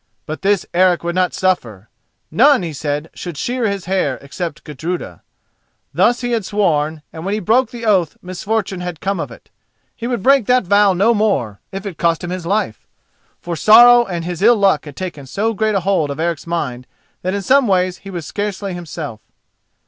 But this Eric would not suffer. None, he said, should shear his hair, except Gudruda. Thus he had sworn, and when he broke the oath misfortune had come of it. He would break that vow no more, if it cost him his life. For sorrow and his ill luck had taken so great a hold of Eric's mind that in some ways he was scarcely himself.